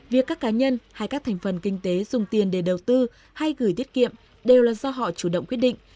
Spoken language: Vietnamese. việc các cá nhân hay các thành phần kinh tế dùng tiền để đầu tư hay gửi tiết kiệm đều là do họ chủ động quyết định